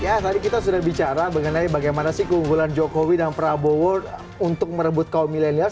ya tadi kita sudah bicara mengenai bagaimana sih keunggulan jokowi dan prabowo untuk merebut kaum milenial